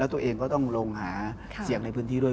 ตัวเองก็ต้องลงหาเสียงในพื้นที่ด้วย